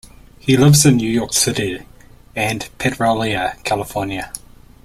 He lives in New York City and Petrolia, California.